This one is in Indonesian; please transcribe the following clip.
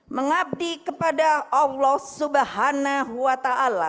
mengabdi kepada allah swt